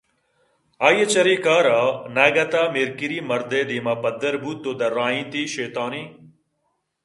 آئی ءِ چرے کار ءَ ناگت ءَ مِرکریؔ مردءِ دیما پدّر بُوت ءُ درّائینت ئے شیطانیں